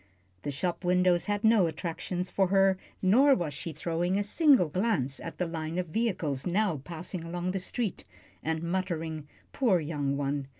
The shop windows had no attractions for her, nor was she throwing a single glance at the line of vehicles now passing along the street; and muttering, "Poor young one!"